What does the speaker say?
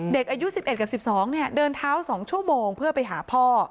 เด็กอายุ๑๑กับ๑๒เดินเท้า๒ชั่วโมงเพื่อไปหาพ่อ